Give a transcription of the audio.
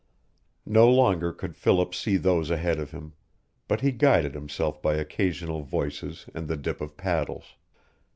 No longer could Philip see those ahead of him, but he guided himself by occasional voices and the dip of paddles.